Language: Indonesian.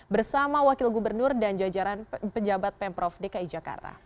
bersama wakil gubernur dan jajaran pejabat pemprov dki jakarta